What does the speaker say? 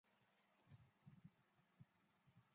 因此有人提出要当心股市走势。